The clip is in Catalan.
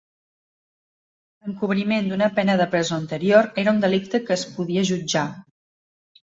L'encobriment d'una pena de presó anterior era un delicte que es podia jutjar.